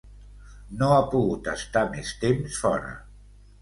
No ha pogut estar més temps fora.